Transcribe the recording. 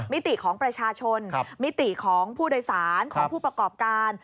มิติของประชาชนมิติของผู้โดยสารของผู้ประกอบการ